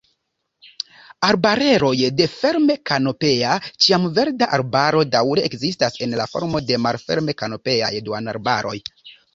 Arbareroj de ferm-kanopea ĉiamverda arbaro daŭre ekzistas, en la formo de malferm-kanopeaj duonarbaroj.